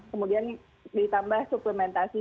kemudian ditambah suplementasi